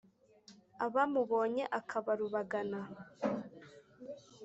abamubonye akaba rubagana.